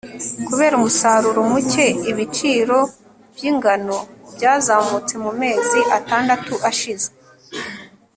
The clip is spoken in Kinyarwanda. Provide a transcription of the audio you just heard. Kubera umusaruro muke ibiciro by ingano byazamutse mumezi atandatu ashize